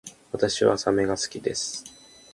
私はサメが好きです